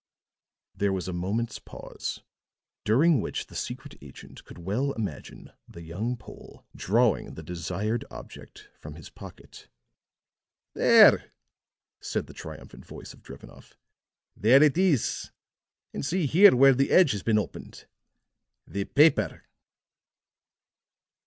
There was a moment's pause, during which the secret agent could well imagine the young Pole drawing the desired object from his pocket. "There!" said the triumphant voice of Drevenoff. "There it is. And see here where the edge has been opened the paper."